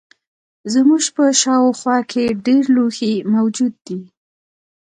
زموږ په شاوخوا کې ډیر لوښي موجود دي.